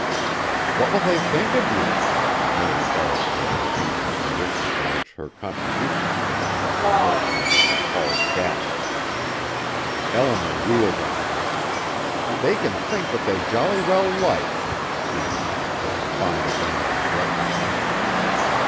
"What will they think of you?" Mary Barrascale had reached a condition from which her contributions to the talk emerged in appalled gasps. Eleanor wheeled on her. "They can think what they jolly well like," she announced with a fine abandon of recklessness.